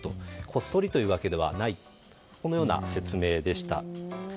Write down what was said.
こっそりというわけではないという説明でした。